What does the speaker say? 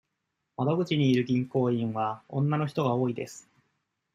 窓口にいる銀行員は女の人が多いです。